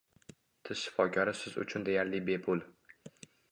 Tish shifokori siz uchun deyarli bepul